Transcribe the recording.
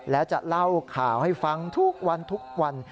และจะเล่าข่าวให้ฟังทุกวันทุกวัน